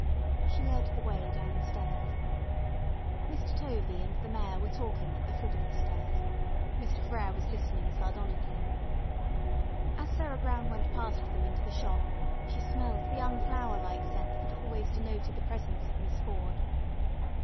She led the way downstairs. Mr. Tovey and the Mayor were talking at the foot of the stairs, Mr. Frere was listening sardonically. As Sarah Brown went past them into the Shop, she smelt the unflower like scent that always denoted the presence of Miss Ford.